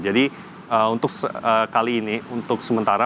jadi untuk kali ini untuk sementara